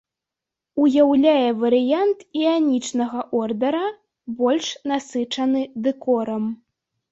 Уяўляе варыянт іанічнага ордара, больш насычаны дэкорам.